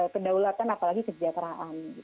kedaulatan apalagi kejajaran